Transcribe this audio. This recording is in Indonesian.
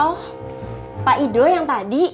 oh pak ido yang tadi